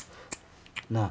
なあ！